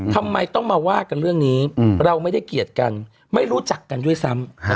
ทำไมต้องมาว่ากันเรื่องนี้เราไม่ได้เกลียดกันไม่รู้จักกันด้วยซ้ำ